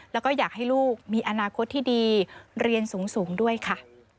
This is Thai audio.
แล้วก็อยากให้ลูกมีอนาคตที่ดีเรียนสูงด้วยค่ะ